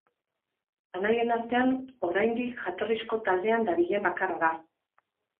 Anaien artean, oraindik jatorrizko taldean dabilen bakarra da.